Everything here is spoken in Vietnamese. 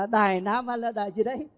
đài nam hay là gì đấy